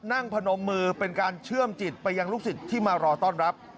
พนมมือเป็นการเชื่อมจิตไปยังลูกศิษย์ที่มารอต้อนรับ